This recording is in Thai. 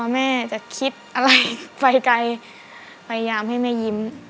แม่จะคิดอะไรไฟใจพยายามให้แม่ยิ้ม